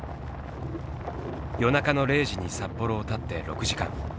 夜中の０時に札幌をたって６時間。